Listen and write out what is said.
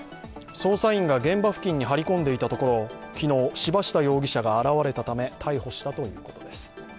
捜査員が現場付近に張り込んでいたところ昨日、柴下容疑者が現れたため逮捕したということです。